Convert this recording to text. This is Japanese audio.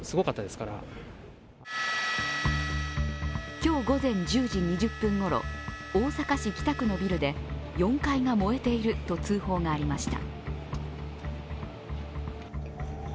今日午前１０時２０分ごろ、大阪市北区のビルで４階が燃えていると通報がありました。